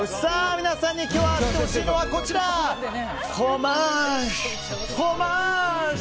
皆さんに今日当ててほしいのはフロマージュ！